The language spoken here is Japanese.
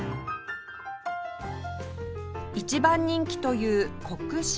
一番人気というコク塩